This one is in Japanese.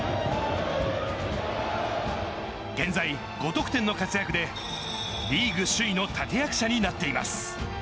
現在、５得点の活躍で、リーグ首位の立て役者になっています。